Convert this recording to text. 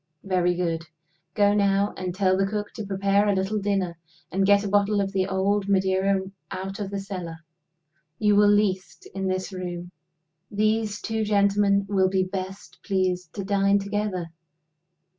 Very good. Go now, and tell the cook to prepare a little dinner; and get a bottle of the old Madeira out of the cellar. You will least, in this room. These two gentlemen will be best pleased to dine together.